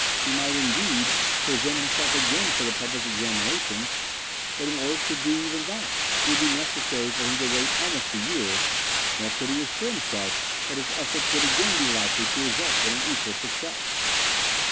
He might, indeed, present himself again for the public examinations; but in order to do even that it would be necessary for him to wait almost a year, nor could he assure himself that his efforts would again be likely to result in an equal success.